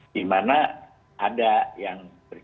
di mana ada yang